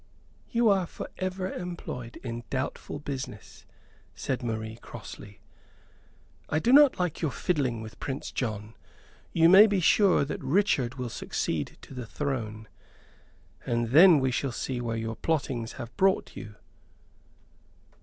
"You are for ever employed in doubtful business," said Marie, crossly. "I do not like your fiddling with Prince John. You may be sure that Richard will succeed to the throne; and then we shall see where your plottings have brought you."